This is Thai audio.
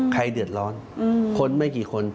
ใครเดือดร้อนคนไม่กี่คน